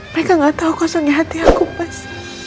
mereka gak tahu kosongnya hati aku mas